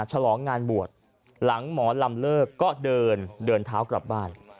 ฉลองงานบวชหลังหมอลำเลิกก็เดินเดินเท้ากลับบ้าน